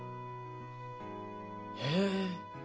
へえ。